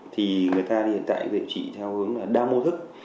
thì người ta hiện tại điều trị theo hướng là đa mô thức